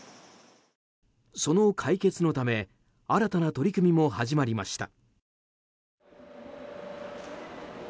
その解決のため新たな取り組みも始まりました。